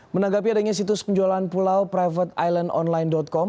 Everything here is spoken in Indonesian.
menanggapi adanya situs penjualan pulau privateislandonline com